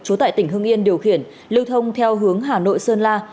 trú tại tỉnh hưng yên điều khiển lưu thông theo hướng hà nội sơn la